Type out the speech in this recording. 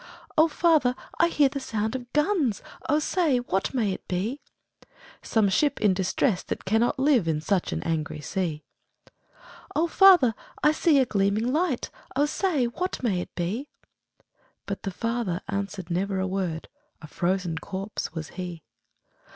'O father! I hear the sound of guns, O say, what may it be?' 'Some ship in distress that cannot live In such an angry sea!' 'O father! I see a gleaming light, O say, what may it be?' But the father answered never a word, A frozen corpse was he.